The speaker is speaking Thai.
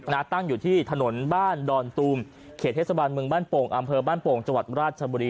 ตั้งอยู่ที่ถนนบ้านดอนตูมเขตเทศบาลเมืองบ้านโป่งอำเภอบ้านโป่งจังหวัดราชบุรี